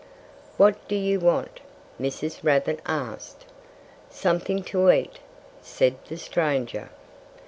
"What do you want?" Mrs. Rabbit asked. "Something to eat!" said the stranger.